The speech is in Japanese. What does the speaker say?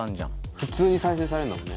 普通に再生されるんだもんね。